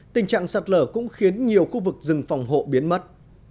tình trạng sạt lở cũng khiến nhiều khu vực rừng phòng hộ biến mất